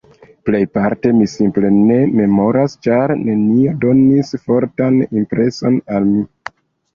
Plejparte mi simple ne memoras, ĉar nenio donis fortan impreson al mi.